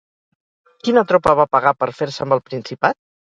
Quina tropa va pagar per fer-se amb el Principat?